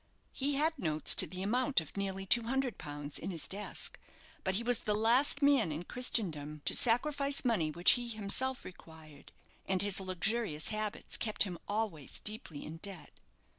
He had notes to the amount of nearly two hundred pounds in his desk; but he was the last man in Christendom to sacrifice money which he himself required, and his luxurious habits kept him always deeply in debt.